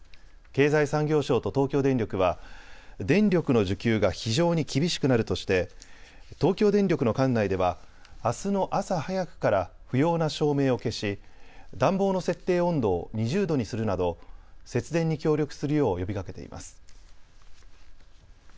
経済産業省と東京電力は電力の需給が非常に厳しくなるとして東京電力の管内ではあすの朝早くから不要な照明を消し暖房の設定温度を２０度にするなど節電に協力するよう呼びかけています。